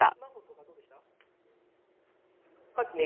さっきね